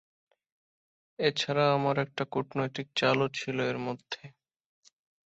এছাড়া আমার একটা কুটনৈতিক চালও ছিল এর মধ্যে।